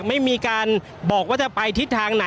ก็น่าจะมีการเปิดทางให้รถพยาบาลเคลื่อนต่อไปนะครับ